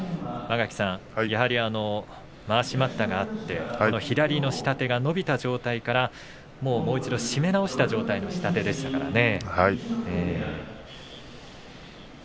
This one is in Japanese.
やはり、まわし待ったがあって左の下手が伸びた状態からまた、締め直した状態の下手でしたからね。